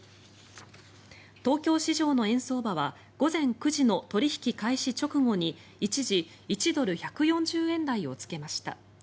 東京市場の円相場は午前９時の取引開始直後に一時、１ドル＝１４０円台をつけました。